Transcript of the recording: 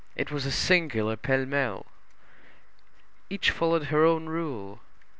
It was a singular pell mell. Each followed her own rule.